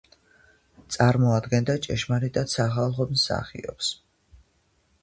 წარმოადგენდა ჭეშმარიტად სახალხო მსახიობს.